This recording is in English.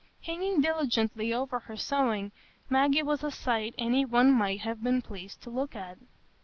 Hanging diligently over her sewing, Maggie was a sight any one might have been pleased to look at.